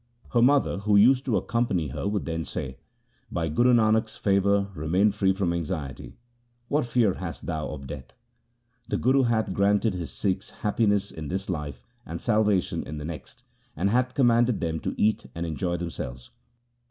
Her mother, who used to ac company her, would then say, 'By Guru Nanak' s favour remain free from anxiety. What fear hast thou of Death? The Guru hath granted his Sikhs happiness in this life and salvation in the next, and hath commanded them to eat and enjoy themselves.'